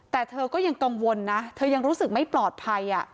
แต่เธอก็ยังกังวลนะเธอยังรู้สึกไม่ปลอดภัย